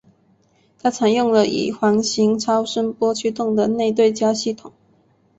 它采用了以环形超声波驱动的内对焦系统。